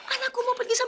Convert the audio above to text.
anakku mau pergi sama dewi